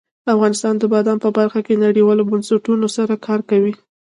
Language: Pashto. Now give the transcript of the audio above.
افغانستان د بادام په برخه کې نړیوالو بنسټونو سره کار کوي.